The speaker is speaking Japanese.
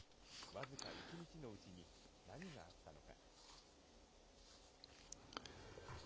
僅か１日のうちに何があったのか。